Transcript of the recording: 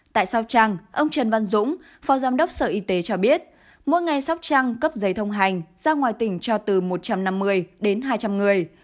tại sao trăng ông trần văn dũng phó giám đốc sở y tế cho biết mỗi ngày sóc trăng cấp giấy thông hành ra ngoài tỉnh cho từ một trăm năm mươi đến hai trăm linh người